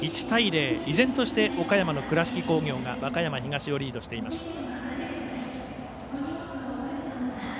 １対０、依然として岡山の倉敷工業が和歌山東をリードしています。